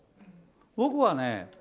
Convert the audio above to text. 僕はね。